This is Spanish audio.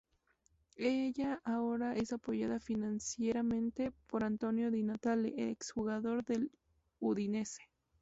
Ella ahora es apoyada financieramente por Antonio Di Natale, ex jugador del Udinese.